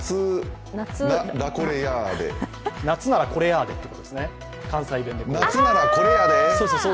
夏ならこれやーでってことですよね、関西弁で。